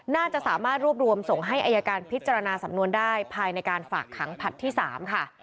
น่าจะสามารถรวบรวมส่งให้อายการพิจารณาสำนวนได้ภายในการฝากขังผลัดที่๓ค่ะ